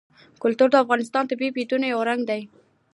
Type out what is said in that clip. کلتور د افغانستان د طبیعي پدیدو یو رنګ دی.